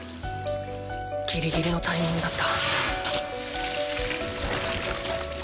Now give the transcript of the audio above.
ギリギリのタイミングだった。